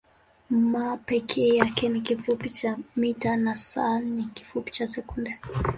m peke yake ni kifupi cha mita na s ni kifupi cha sekunde.